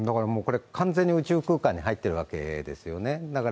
これ完全に宇宙空間に入っているわけですよね。